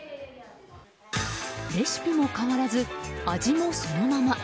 レシピも変わらず味もそのまま。